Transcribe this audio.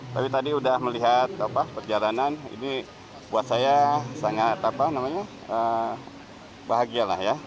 tapi tadi udah melihat perjalanan ini buat saya sangat apa namanya bahagia lah ya